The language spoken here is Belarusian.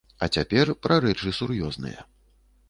А цяпер пра рэчы сур'ёзныя.